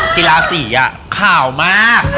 กีฬาสีขาวมาก